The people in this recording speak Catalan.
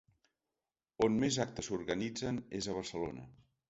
On més actes s’organitzen és a Barcelona.